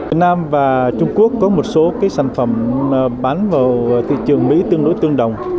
việt nam và trung quốc có một số sản phẩm bán vào thị trường mỹ tương đối tương đồng